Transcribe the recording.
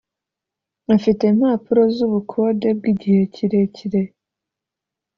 afite impapuro z ‘ubukode bw ‘igihe kirekire.